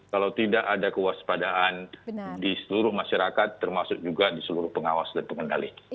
kalau tidak ada kewaspadaan di seluruh masyarakat termasuk juga di seluruh pengawas dan pengendali